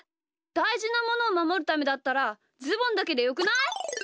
だいじなものをまもるためだったらズボンだけでよくない？